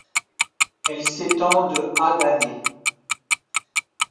Elle s'étend de à d'années.